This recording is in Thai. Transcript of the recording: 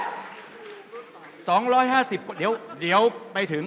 ๒๕๐คนเดี๋ยวไปถึง